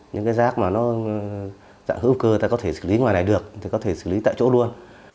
những cái rác mà nó dạng hữu cơ ta có thể xử lý ngoài này được ta có thể xử lý tại chỗ luôn